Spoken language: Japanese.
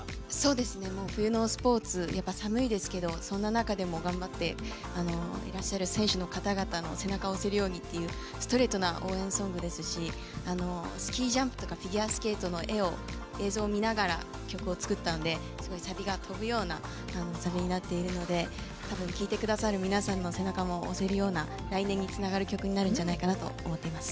冬のスポーツ寒いですけど、そんな中でも頑張っていらっしゃる選手の方々の背中を押せるようにというストレートな応援ソングですしスキージャンプとかフィギュアスケートの映像を見ながら曲を作ったのでサビが飛ぶようなサビになっているので聴いてくださる皆さんの背中も押せるような来年につながるような曲じゃないかと思います。